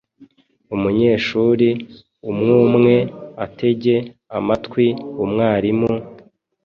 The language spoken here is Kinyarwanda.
Umunyeshuri umwumwe atege amatwi umwarimu,